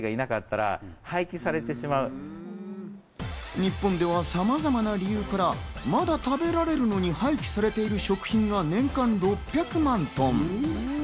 日本ではさまざまな理由からまだ食べられるのに廃棄されている食品が年間６００万トン。